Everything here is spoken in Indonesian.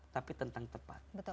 tapi tentang tepat